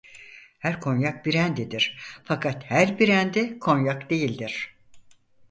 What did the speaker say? Her konyak brendidir fakat her brendi konyak değildir.